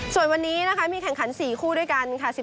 ส่วนวันนี้นะคะมีแข่งขัน๔คู่ด้วยกันค่ะ